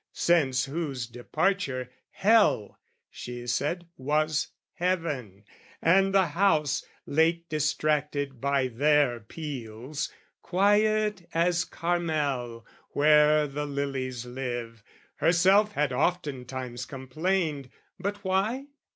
Since whose departure, hell, she said, was heaven, And the house, late distracted by their peals, Quiet as Carmel where the lilies live. Herself had oftentimes complained: but why?